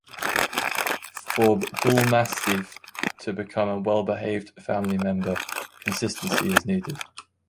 For a Bullmastiff to become a well-behaved family member, consistency is needed.